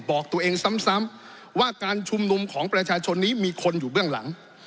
บอกตัวเองซ้ำว่าการชุมนุมของประชาชนนี้มีคนอยู่เบื้องหลัง